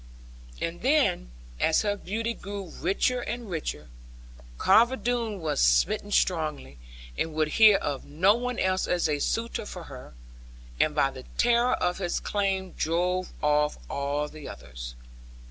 And then, as her beauty grew richer and brighter, Carver Doone was smitten strongly, and would hear of no one else as a suitor for her; and by the terror of his claim drove off all the others.